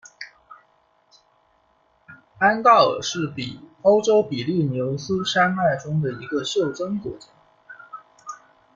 安道尔是欧洲比利牛斯山脉中的一个袖珍国家。